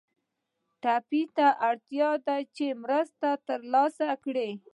ټپي ته اړتیا ده چې مرسته تر لاسه کړي.